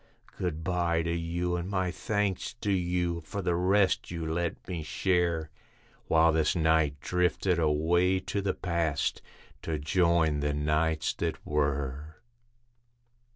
Good bye to you, and my thanks to you, for the rest you let me share, While this night drifted away to the Past, to join the Nights that Were.